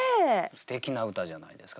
すてきな歌じゃないですかね。